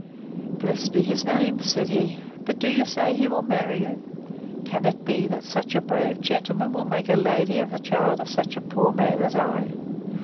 Blessed be his name! said he. But do you say he will marry you? Can it be, that such a brave gentleman will make a lady of the child of such a poor man as I?